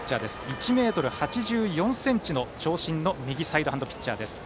１ｍ８４ｃｍの長身の右サイドハンドピッチャー。